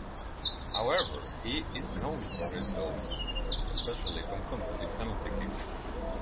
However, he is known for his goals, especially from converting penalty kicks.